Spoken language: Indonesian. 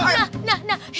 nah nah nah